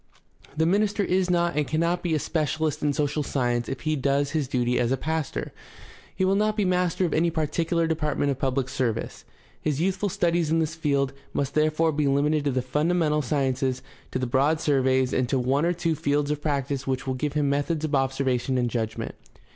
The minister is not and cannot be a specialist in social science if he does his duty as a pastor. He will not be master of any particular department of public service. His youth ful studies in this field must therefore be limited to the funda mental sciences, to the broad surveys, and to one or two fields of practice which will give him methods of observation and judgment.